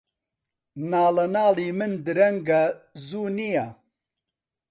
ناڵەناڵی من درەنگە، زوو نییە